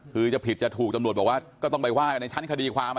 คือจะผิดจะถูกตำรวจบอกว่าก็ต้องไปว่ากันในชั้นคดีความ